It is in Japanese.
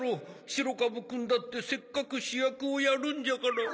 しろかぶくんだってせっかくしゅやくをやるんじゃから。